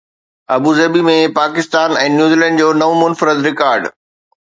Abu Dhabi ۾ Pakistan ۽ New Zealand جو نئون منفرد رڪارڊ